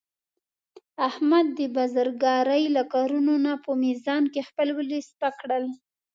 احمد د بزرګرۍ له کارونو نه په میزان کې خپل ولي سپک کړل.